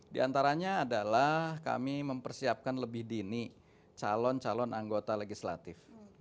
di antaranya adalah kami mempersiapkan lebih dini calon calon anggota legislatif